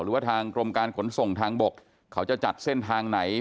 หรือว่าทางกรมการขนส่งทางบกเขาจะจัดเส้นทางไหน